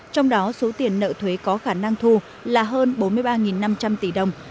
trong đó số tiền nợ thuế có khả năng thu là hơn bốn mươi ba năm trăm linh tỷ đồng